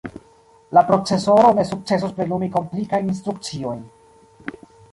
La procesoro ne sukcesos plenumi komplikajn instrukciojn.